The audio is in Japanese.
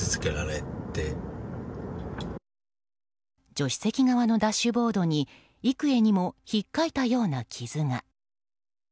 助手席側のダッシュボードに幾重にも引っかいたような傷が。